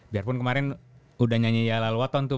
biarpun kemarin udah nyanyi ya lalu waton tuh